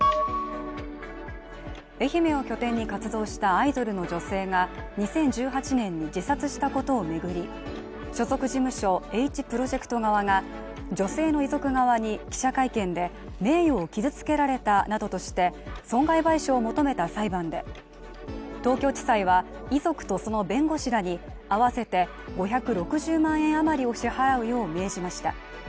愛媛を拠点に活動したアイドルの女性が２０１８年に自殺したことを巡り所属事務所、Ｈプロジェクト側が女性の遺族側に記者会見で名誉を傷つけられたなどとして、損害賠償を求めた裁判で東京地裁は、遺族とその弁護士らに合わせて５６０万円余りを支払うよう命じました。